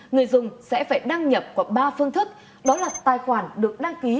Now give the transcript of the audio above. người dùng sẽ phải đăng nhập qua ba phương thức đó là tài khoản được đăng ký